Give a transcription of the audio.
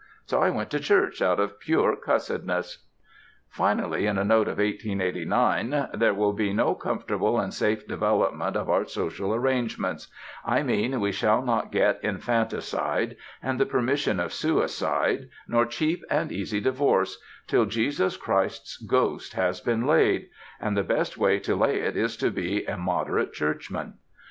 so I went to church out of pure cussedness." Finally, in a note of 1889: "There will be no comfortable and safe development of our social arrangements I mean we shall not get infanticide, and the permission of suicide, nor cheap and easy divorce till Jesus Christ's ghost has been laid; and the best way to lay it is to be a moderate churchman."